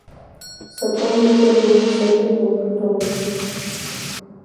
Сопром Епрем, вуйым сакен, мӧҥгыжӧ толын пурыш.